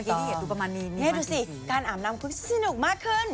เฮ้ยดูสิการอำนำคุณสนุกมากขึ้น